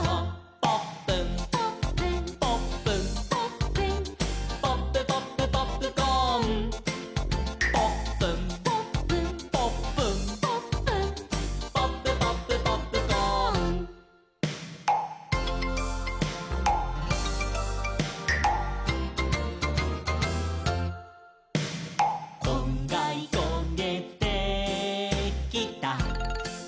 「ポップン」「ポップン」「ポップン」「ポップン」「ポップポップポップコーン」「ポップン」「ポップン」「ポップン」「ポップン」「ポップポップポップコーン」「こんがりこげてきた」